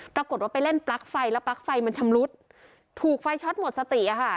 ปรากฏว่าไปเล่นปลั๊กไฟแล้วปลั๊กไฟมันชำรุดถูกไฟช็อตหมดสติอะค่ะ